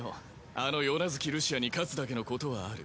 あの夜那月ルシアに勝つだけのことはある。